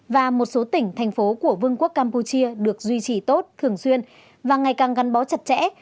và một số tỉnh thành phố của vương quốc campuchia được duy trì tốt thường xuyên và ngày càng gắn bó chặt chẽ